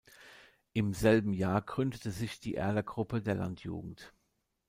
Im selben Jahr gründete sich die Erler Gruppe der Landjugend.